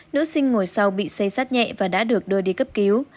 nữ sinh ngồi sau bị xây sát nhẹ và đã được đưa đi cấp cứu